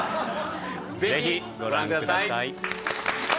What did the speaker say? ぜひご覧ください。